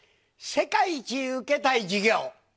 世界一受けたい授業。